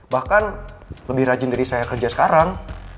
bahkan lebih rajin dari saya kerja sekarang